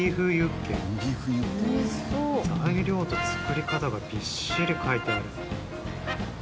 材料と作り方がビッシリ書いてある。